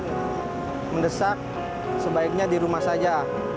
kita mendesak sebaiknya di rumah saja